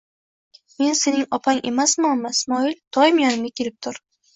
Men sening opang emasmanmi, Ismoil?! Doim yonimga kelib tur.